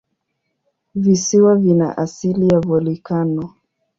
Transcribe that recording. Visiwa vina asili ya volikano.